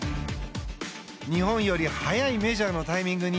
日本より速いメジャーのタイミングに